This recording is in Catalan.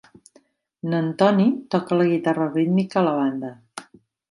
N'Antony toca la guitarra rítmica a la banda.